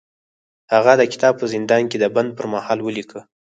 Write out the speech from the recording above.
هغه دا کتاب په زندان کې د بند پر مهال ولیکه